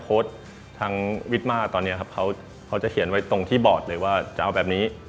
ทางวิทม่าตอนนี้ครับเขาจะเขียนไว้ตรงที่บอร์ดเลยว่าจะเอาแบบนี้